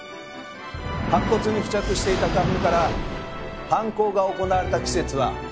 白骨に付着していた花粉から犯行が行われた季節は冬。